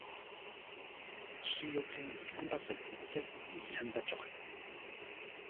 樹欲靜而風不息，子欲養而親不在